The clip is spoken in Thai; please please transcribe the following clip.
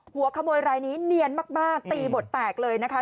หัวขโมยรายนี้เนียนมากตีบทแตกเลยนะคะ